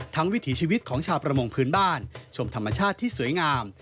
วิถีชีวิตของชาวประมงพื้นบ้านชมธรรมชาติที่สวยงาม